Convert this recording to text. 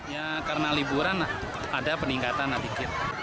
ya karena liburan ada peningkatan sedikit